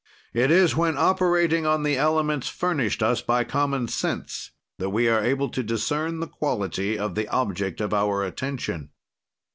"It is when operating on the elements furnished us by common sense that we are able to discern the quality of the object of our attention.